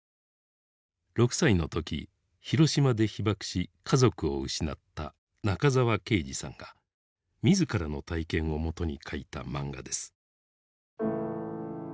６歳の時広島で被爆し家族を失った中沢啓治さんが自らの体験をもとに描いた漫画です。